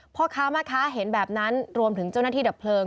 พ่อค้าแม่ค้าเห็นแบบนั้นรวมถึงเจ้าหน้าที่ดับเพลิง